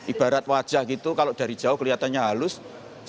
ibarat wajah gitu kalau dari jauh kelihatannya halus setelah di close up